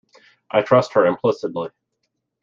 I trust her implicitly.